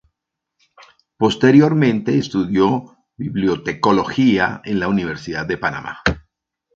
Posteriormente estudió bibliotecología en la Universidad de Panamá.